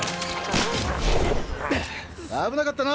危なかったな。